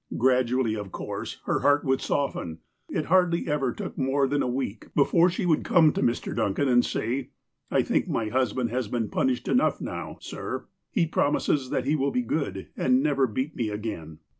Gradually, of course, her heart would soften. It hardly ever took more than a week before she would come to Mr. Duncan, and say :" I think my husband has been punished enough now, sir. He promises that he will be good, and never beat me again."